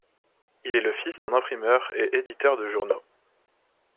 Il est le fils d'un imprimeur et éditeur de journaux.